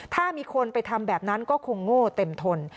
ถ้ามีคนไปทำแบบนั้นก็คงโง่เต็มทน